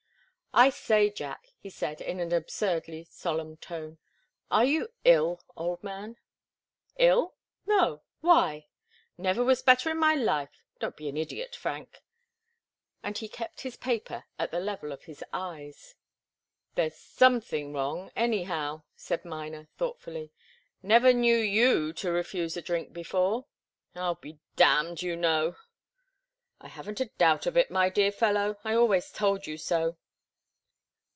"I say, Jack," he said, in an absurdly solemn tone, "are you ill, old man?" "Ill? No. Why? Never was better in my life. Don't be an idiot, Frank." And he kept his paper at the level of his eyes. "There's something wrong, anyhow," said Miner, thoughtfully. "Never knew you to refuse to drink before. I'll be damned, you know!" "I haven't a doubt of it, my dear fellow. I always told you so."